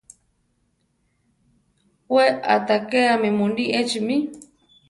We aʼtakéame muní echi mí.